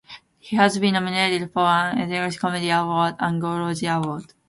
He has been nominated for an Edinburgh Comedy Award and Gold Logie Award.